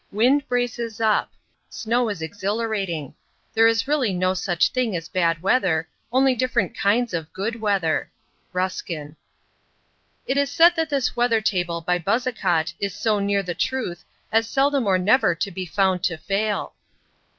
Wind braces up. Snow is exhilarating. There is really no such thing as bad weather, only different kinds of good weather. Ruskin. It is said that this weather table by Buzzacott is so near the truth as seldom or never to be found to fail.